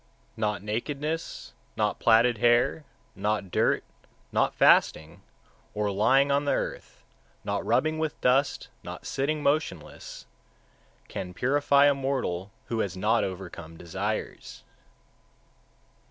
141. Not nakedness, not platted hair, not dirt, not fasting, or lying on the earth, not rubbing with dust, not sitting motionless, can purify a mortal who has not overcome desires.